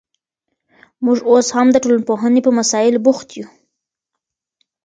موږ اوس هم د ټولنپوهني په مسائل بوخت یو.